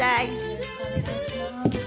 よろしくお願いします。